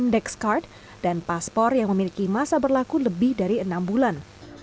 indekscard dan paspor yang memiliki masa berlaku lebih dari enam bulan